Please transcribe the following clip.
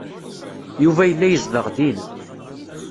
Yuba yella yezdeɣ din.